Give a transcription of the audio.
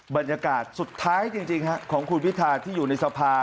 บรรยากาศสุดท้ายจริงของคุณพิธาที่อยู่ในสภา